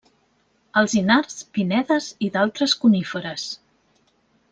Alzinars, pinedes i d'altres coníferes.